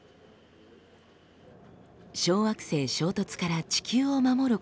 小惑星衝突から地球を守る